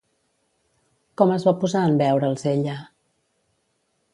Com es va posar en veure'ls ella?